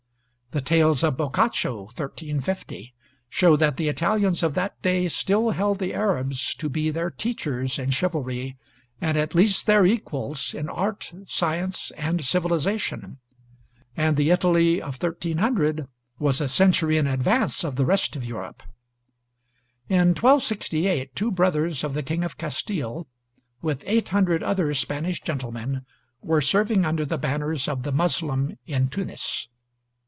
The tales of Boccaccio (1350) show that the Italians of that day still held the Arabs to be their teachers in chivalry, and at least their equals in art, science, and civilization; and the Italy of 1300 was a century in advance of the rest of Europe. In 1268 two brothers of the King of Castile, with 800 other Spanish gentlemen, were serving under the banners of the Muslim in Tunis.